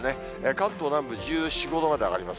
関東南部１４、５度まで上がります。